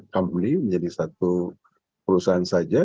comply menjadi satu perusahaan saja